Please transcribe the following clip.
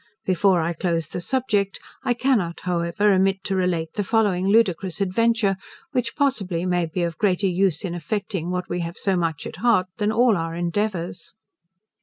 Before I close the subject, I cannot, however, omit to relate the following ludicrous adventure, which possibly may be of greater use in effecting what we have so much at heart, than all our endeavours.